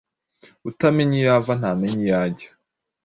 Utamenya iyo ava ntamenya iyajya